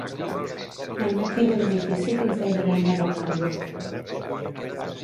Malmetin un edifici fins gairebé enderrocar-lo.